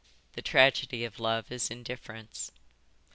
The tragedy of love is indifference."